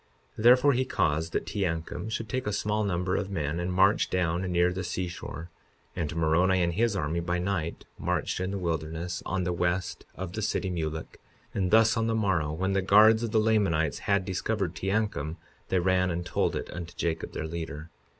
52:22 Therefore he caused that Teancum should take a small number of men and march down near the seashore; and Moroni and his army, by night, marched in the wilderness, on the west of the city Mulek; and thus, on the morrow, when the guards of the Lamanites had discovered Teancum, they ran and told it unto Jacob, their leader.